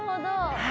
はい。